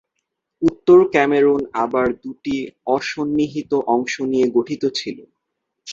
উত্তর ক্যামেরুন আবার দুটি অ-সন্নিহিত অংশ নিয়ে গঠিত ছিল।